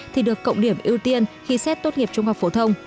thì được cộng điểm ưu tiên khi xét tốt nghiệp trung học phổ thông